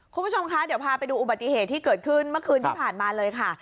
คุณผู้ชมคะเดี๋ยวพาไปดูอุบัติเหตุที่เกิดขึ้นเมื่อคืนที่ผ่านมาเลยค่ะ